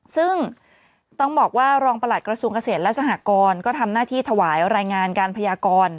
ซึ่งต้องบอกว่ารองประหลัดกระทรวงเกษตรและสหกรก็ทำหน้าที่ถวายรายงานการพยากร